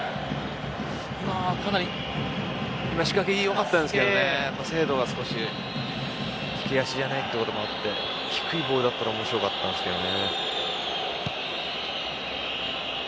今、仕掛けは良かったですが精度が利き足じゃないのもあって低いボールだったら面白かったんですけどね。